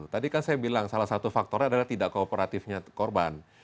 tadi kan saya bilang salah satu faktornya adalah tidak kooperatifnya korban